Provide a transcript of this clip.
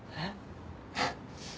えっ？